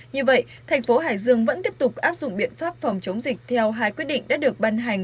như vậy thành phố hải dương vẫn tiếp tục áp dụng biện pháp phòng chống dịch theo hai quyết định đã được ban hành